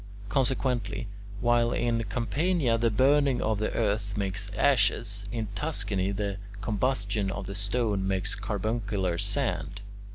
Consequently, while in Campania the burning of the earth makes ashes, in Tuscany the combustion of the stone makes carbuncular sand.